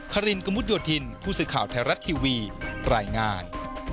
ข้ารินกะมุดยดทินพูดสิทธิ์ข่าวไทยรัตน์ทีวีรายงาน